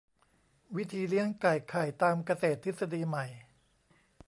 วิธีเลี้ยงไก่ไข่ตามเกษตรทฤษฎีใหม่